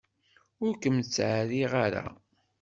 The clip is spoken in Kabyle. Ur kem-ttεerriɣ ara.